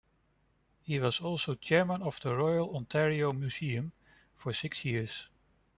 He was also chairman of the Royal Ontario Museum for six years.